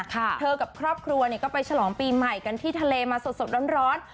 เธอกับครอบครัวเนี่ยก็ไปฉลองปีใหม่กันที่ทะเลมาสดร้อน